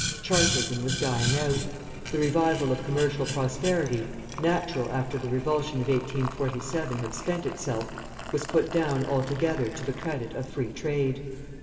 Chartism was dying out. The revival of commercial prosperity, natural after the revulsion of 1847 had spent itself, was put down altogether to the credit of Free Trade.